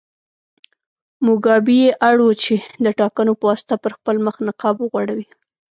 موګابي اړ و چې د ټاکنو په واسطه پر خپل مخ نقاب وغوړوي.